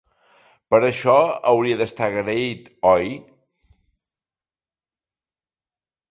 Per això hauria d'estar agraït, oi?